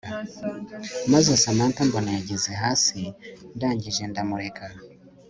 maze Samantha mbona yageze hasi ndangije ndamureka